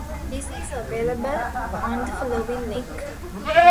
This is available on the following link.